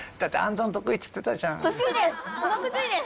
得意です！